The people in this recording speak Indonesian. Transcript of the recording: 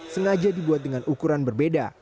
sengaja dibuat dengan ukuran berbeda